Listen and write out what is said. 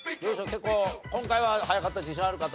結構今回は早かった自信ある方？